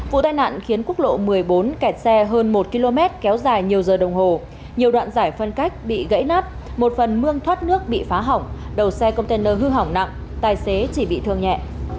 vụ tai nạn khiến quốc lộ một mươi bốn kẹt xe hơn một km kéo dài nhiều giờ đồng hồ nhiều đoạn giải phân cách bị gãy nát một phần mương thoát nước bị phá hỏng đầu xe container hư hỏng nặng tài xế chỉ bị thương nhẹ